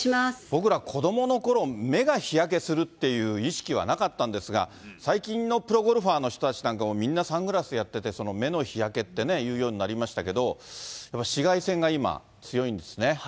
僕ら子どものころ、目が日焼けするっていう意識はなかったんですが、最近のプロゴルファーの人たちもみんなサングラスやってて、目の日焼けって言うようになりましたけど、紫外線が今、強いんですね。